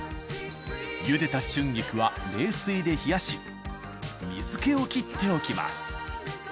茹でた春菊は冷水で冷やし水気を切っておきます